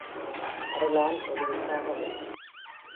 அருளால் ஒளி உண்டாக வேண்டும்.